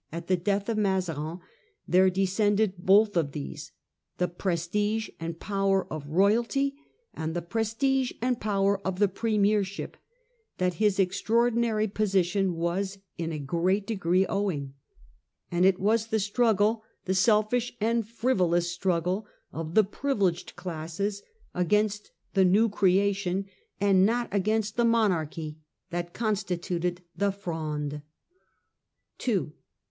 at the death of Mazarin, there descended both of these — the prestige and power of royalty, and the prestige and power of the premier ship, that his extraordinary position was in a great degree owing. And it was the struggle, the selfish and frivolous struggle, of the privileged classes against the new creation, and not against the monarchy, that con stituted the Fronde. r6 Prelude to the Fronde. 1643.